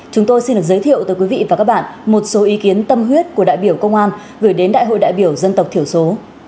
chúng tôi xin được giới thiệu tới quý vị và các bạn một số ý kiến tâm huyết của đại biểu công an gửi đến đại hội đại biểu dân tộc thiểu số